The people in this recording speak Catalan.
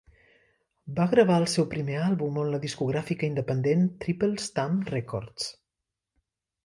Va gravar el seu primer àlbum en la discogràfica independent Triple Stamp Records.